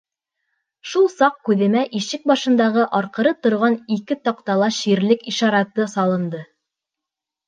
Шул саҡ күҙемә ишек башындағы арҡыры торған ике таҡтала ширлек ишараты салынды.